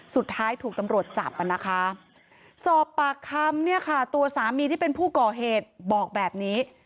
สุดท้ายถูกตำรวจจับอ่ะนะคะสอบปากคำเนี่ยค่ะตัวสามีที่เป็นผู้ก่อเหตุบอกแบบนี้